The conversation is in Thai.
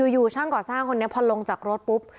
อยู่ช่างก่อสร้างคนนี้พอลงจากรถปุ๊บ